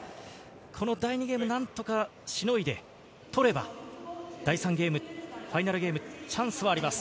第２ゲーム、何とかしのいで取れば第３ゲーム、ファイナルゲーム、チャンスはあります。